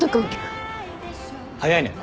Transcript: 早いね。